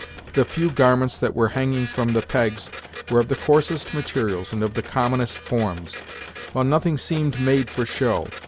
The few garments that were hanging from the pegs were of the coarsest materials and of the commonest forms, while nothing seemed made for show.